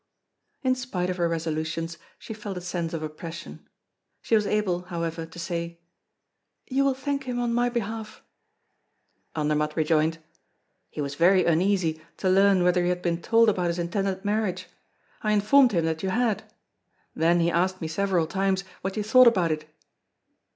In spite of her resolutions she felt a sense of oppression. She was able, however, to say: "You will thank him on my behalf." Andermatt rejoined: "He was very uneasy to learn whether you had been told about his intended marriage. I informed him that you had; then he asked me several times what you thought about it."